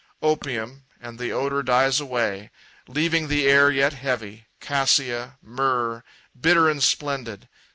Opium and the odor dies away, Leaving the air yet heavy cassia myrrh Bitter and splendid.